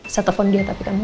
saya telepon dia tapi kamu